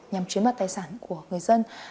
nhằm chuyến mặt tài sản của người dân